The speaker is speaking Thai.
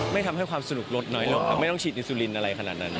ไม่ทำให้ความสนุกลดน้อยหรอกเอออะไรยังไง